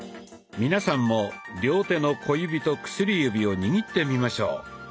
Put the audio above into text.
皆さんも両手の小指と薬指を握ってみましょう。